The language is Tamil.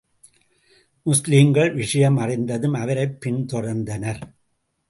முஸ்லிம்கள் விஷயம் அறிந்ததும் அவரைப் பின் தொடர்ந்தனர்.